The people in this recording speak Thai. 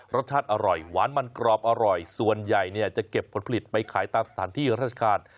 รสชาติอร่อยหวานมันกรอบอร่อยส่วนใหญ่เนี่ยจะเก็บผลผลิตไปขายตามสถานที่ราชการ